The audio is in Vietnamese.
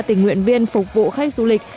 tỉnh nguyện viên phục vụ khách du lịch